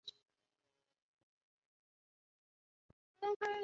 白樟镇是中国福建省福州市闽清县下辖的一个镇。